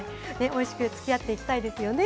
おいしくつきあっていきたいですよね。